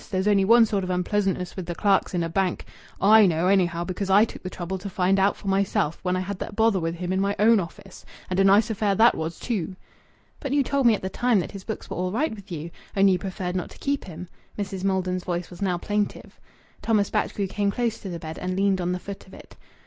There's only one sort of unpleasantness with the clerks in a bank!... I know, anyhow, because I took the trouble to find out for myself, when I had that bother with him in my own office. And a nice affair that was, too!" "But you told me at the time that his books were all right with you. Only you preferred not to keep him." Mrs. Maiden's voice was now plaintive. Thomas Batchgrew came close to the bed and leaned on the foot of it.